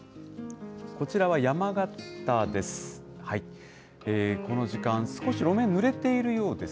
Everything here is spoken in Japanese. こちらは山形です。